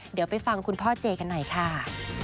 เดี๋ยวไปฟังคุณพ่อเจกันหน่อยค่ะ